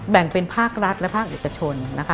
แบ่งเป็นภาครัฐและภาคเอกชนนะคะ